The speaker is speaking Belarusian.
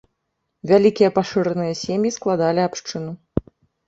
Вялікія пашыраныя сем'і складалі абшчыну.